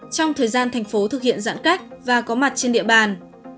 trong thời gian thành phố thực hiện giãn cách và có mặt trên địa bàn